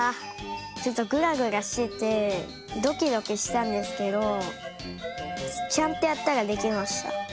ちょっとグラグラしててドキドキしたんですけどちゃんとやったらできました。